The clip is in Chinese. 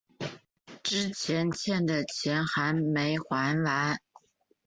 之前欠的钱还没还完